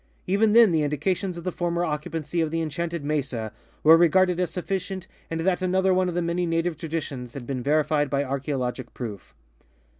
Even then the indications of the former occupancy of the En chanted Mesa were regarded as sufficient and that another one of many native traditions had been verified by archeologic proof.